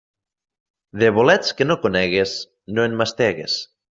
De bolets que no conegues, no en mastegues.